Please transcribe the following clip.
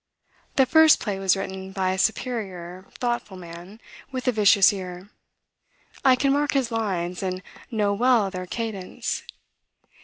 The first play was written by a superior, thoughtful man, with a vicious ear. I can mark his lines, and know well their cadence.